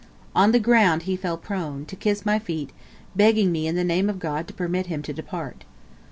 On the ground he fell prone, to kiss my feet, begging me in the name of God to permit him to depart.